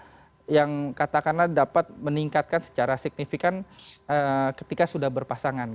tapi kemudian kalau jokowi vek yang anda katakan bahwa pemilih pemilih ini tidak dapat meningkatkan secara signifikan ketika sudah berpasangan